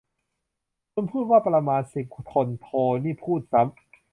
คุณพูดว่าประมาณสิบคนโทนี่พูดซ้ำ